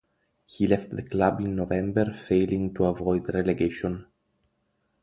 He left the club in November, failing to avoid relegation.